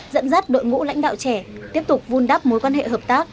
dẫn dắt đội ngũ lãnh đạo trẻ tiếp tục vun đắp mối quan hệ hợp tác